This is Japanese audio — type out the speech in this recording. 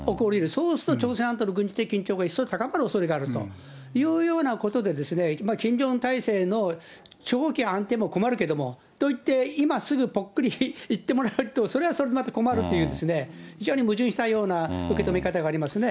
そうすると朝鮮半島のが一層高まるおそれがあるというようなことで、キム・ジョンウン体制の長期安定も困るけど、といって、今すぐぽっくり逝ってもらうって、それはそれでまた困るという、非常に矛盾したような受け止め方がありますね。